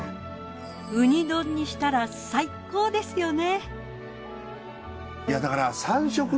ウニ丼にしたら最高ですよね。